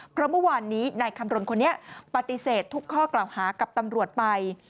เพราะเมื่อวานนี้นายคำรณคนนี้ปฏิเสธทุกข้อกล่าวหากับตำรวจไป